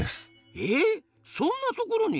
えっそんなところに？